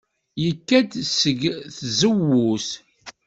Yekka seg tzewwut.